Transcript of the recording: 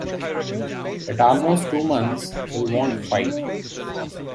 At almost two months, we won’t fight.